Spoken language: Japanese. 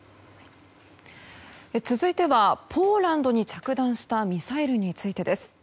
続いてはポーランドに着弾したミサイルについてです。